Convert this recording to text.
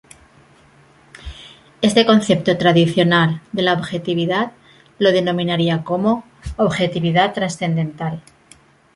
Este concepto tradicional de la objetividad lo denominaría como "objetividad trascendental".